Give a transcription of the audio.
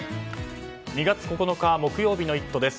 ２月９日木曜日の「イット！」です。